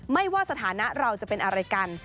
ไม่ว่าสถานะเราจะเป็นอะไรกัน